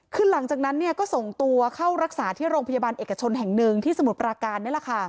คือหลังจากนั้นก็ส่งตัวเข้ารักษาที่โรงพยาบาลเอกชนแห่งหนึ่งที่สมุทรปราการนี่แหละค่ะ